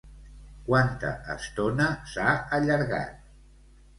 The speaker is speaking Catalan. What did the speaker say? Quanta estona s'ha allargat?